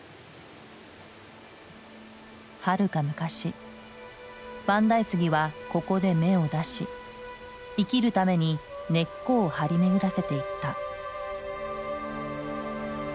はるか昔万代杉はここで芽を出し生きるために根っこを張り巡らせていった。